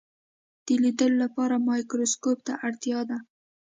د لیدلو لپاره مایکروسکوپ ته اړتیا ده.